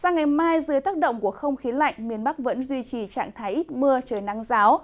sang ngày mai dưới tác động của không khí lạnh miền bắc vẫn duy trì trạng thái ít mưa trời nắng giáo